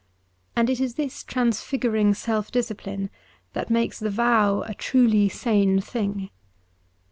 And it is this transfiguring self discipline that makes the vow a truly sane thing.